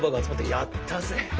やったぜ！